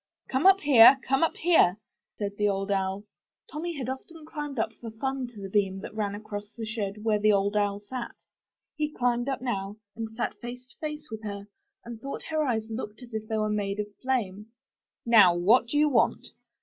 Come up here! come up here!*' said the Old Owl. Tommy had often climbed up for fun to the beam that ran across the shed where the Old Owl sat. He climbed up now, and sat face to face with her, and thought her eyes looked as if they were made of flame. Now, what do you want?''